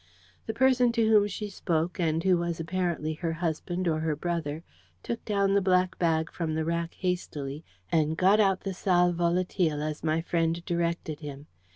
The person to whom she spoke, and who was apparently her husband or her brother, took down the black bag from the rack hastily, and got out the sal volatile, as my friend directed him.